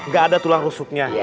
gak ada tulang rusuknya